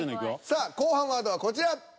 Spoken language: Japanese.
さあ後半ワードはこちら！